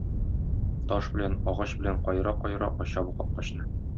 Таш белән, агач белән каера-каера ача бу капкачны.